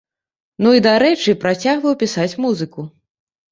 Ну, і, дарэчы, працягваў пісаць музыку.